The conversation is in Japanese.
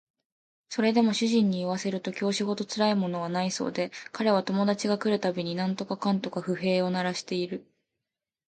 それでも主人に言わせると教師ほどつらいものはないそうで彼は友達が来る度に何とかかんとか不平を鳴らしている